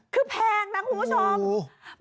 คือแพงนะคุณผู้ชม